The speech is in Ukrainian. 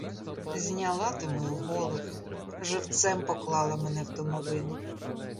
Зняла ти мою голову, живцем поклала мене в домовину.